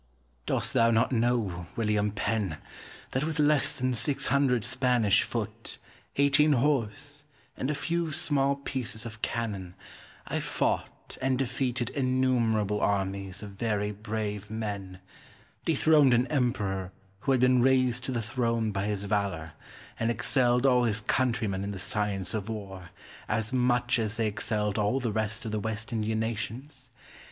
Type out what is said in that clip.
Cortez. Dost thou not know, William Penn, that with less than six hundred Spanish foot, eighteen horse, and a few small pieces of cannon, I fought and defeated innumerable armies of very brave men; dethroned an emperor who had been raised to the throne by his valour, and excelled all his countrymen in the science of war, as much as they excelled all the rest of the West Indian nations?